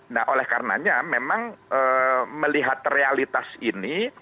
nah oleh karenanya memang melihat realitas ini